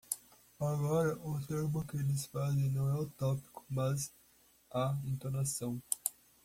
Agora, o termo que eles fazem não é o tópico, mas a "entonação".